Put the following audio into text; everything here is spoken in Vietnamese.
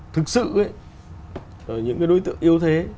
thực sự những cái đối tượng yêu thế